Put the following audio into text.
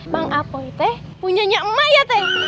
bang apoi teh punyanya emak ya teh